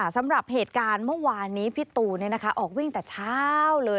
สำหรับเหตุการณ์เมื่อวานนี้พี่ตูนออกวิ่งแต่เช้าเลย